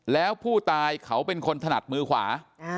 แล้วผู้ตายเขาเป็นคนถนัดมือขวา